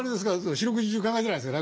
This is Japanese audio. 四六時中考えてないですか？